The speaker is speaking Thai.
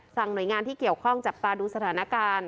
หน่วยงานที่เกี่ยวข้องจับตาดูสถานการณ์